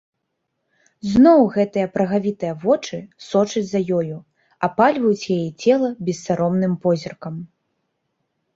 Зноў гэтыя прагавітыя вочы сочаць за ёю, апальваюць яе цела бессаромным позіркам.